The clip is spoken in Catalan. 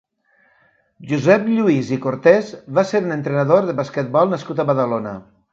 Josep Lluís i Cortés va ser un entrenador de basquetbol nascut a Badalona.